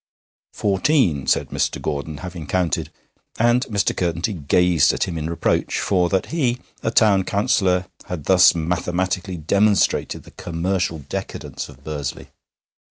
'Fourteen,' said Mr. Gordon, having counted; and Mr. Curtenty gazed at him in reproach, for that he, a Town Councillor, had thus mathematically demonstrated the commercial decadence of Bursley.